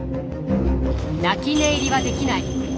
泣き寝入りはできない。